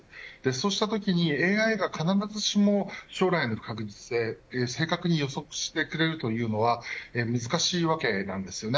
そうしたときにＡＩが必ずしも将来の不確実性を正確に予測してくれるというのは難しいわけなんですよね。